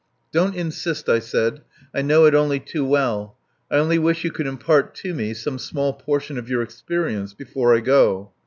"Don't insist," I said. "I know it only too well. I only wish you could impart to me some small portion of your experience before I go.